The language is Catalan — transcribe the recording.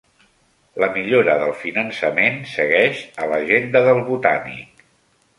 La millora del finançament segueix a l'agenda del Botànic